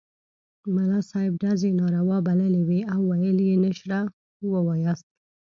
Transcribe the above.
ملا صاحب ډزې ناروا بللې وې او ویل یې نشره ووایاست.